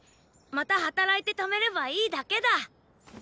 また働いて貯めればいいだけだ。